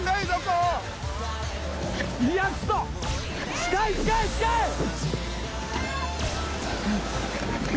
近い近い近い！